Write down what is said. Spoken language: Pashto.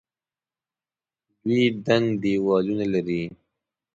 دوی دنګ دیوالونه لري.